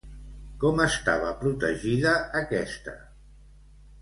Com estava protegida aquesta?